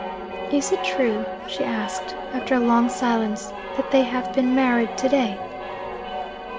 'Is it true,' she asked, after a long silence, 'that they have been married to day?'